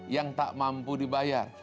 yang tak mampu dibayar